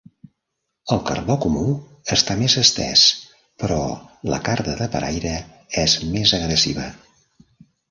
El cardó comú està més estès, però la carda de paraire és més agressiva.